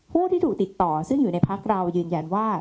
ผู้ที่ถูกติดต่อซึ่งอยู่ในพักเรายืนยันว่า